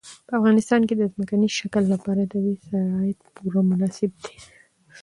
په افغانستان کې د ځمکني شکل لپاره طبیعي شرایط پوره مناسب دي.